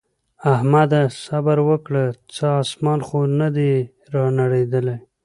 احمده! صبره وکړه څه اسمان خو نه دی رانړېدلی.